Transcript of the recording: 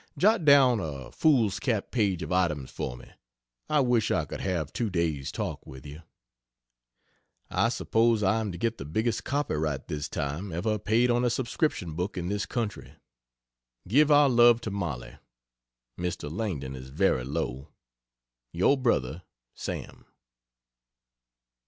Jot down a foolscap page of items for me. I wish I could have two days' talk with you. I suppose I am to get the biggest copyright, this time, ever paid on a subscription book in this country. Give our love to Mollie. Mr. Langdon is very low. Yr Bro SAM.